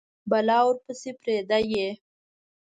بلا ورپسي پریده یﺉ